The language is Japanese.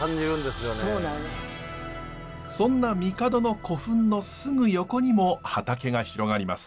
そんな帝の古墳のすぐ横にも畑が広がります。